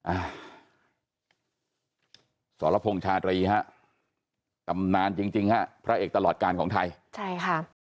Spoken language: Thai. อ่าสรพงษ์ชาตรีฮะกำนานจริงฮะพระเอกตลอดกาลของไทย